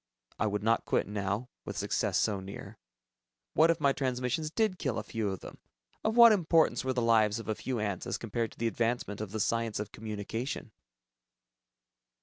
I would not quit now, with success so near. What if my transmissions did kill a few of them? Of what importance were the lives of a few ants as compared to the advancement of the science of Communication?